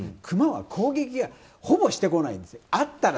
クマは攻撃はほぼしてこないんですよ。